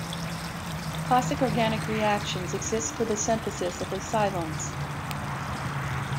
Classic organic reactions exist for the synthesis of acyloins.